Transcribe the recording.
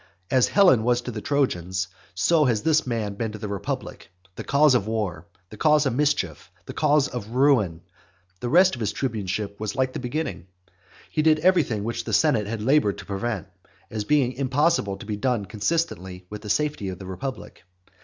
As Helen was to the Trojans, so has that man been to this republic, the cause of war, the cause of mischief, the cause of ruin. The rest of his tribuneship was like the beginning. He did everything which the senate had laboured to prevent, as being impossible to be done consistently with the safety of the republic.